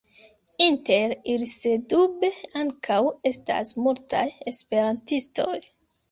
Inter ili sendube ankaŭ estas multaj esperantistoj.